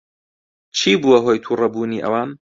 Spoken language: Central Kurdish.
چی بووە ھۆی تووڕەبوونی ئەوان؟